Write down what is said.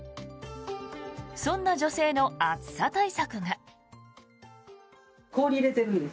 そんな女性の暑さ対策が。